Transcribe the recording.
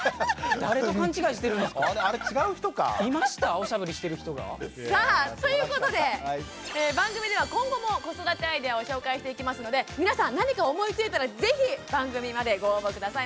おしゃぶりしてる人が？さあということで番組では今後も子育てアイデアを紹介していきますので皆さん何か思いついたら是非番組までご応募下さい。